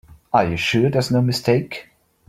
Are you sure there's no mistake?